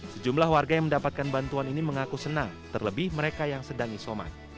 sejumlah warga yang mendapatkan bantuan ini mengaku senang terlebih mereka yang sedang isoman